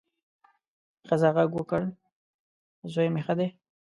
ښځه غږ وکړ، زوی مې ښه دی.